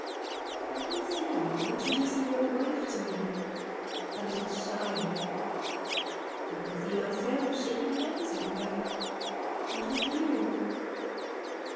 I can see you, introducing your wife to me, a little shyly I can see myself, shaking hands with her and with you....